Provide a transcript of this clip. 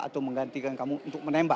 atau menggantikan kamu untuk menembak